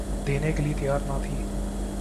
دینے کے لئے تیّار نہ تھی۔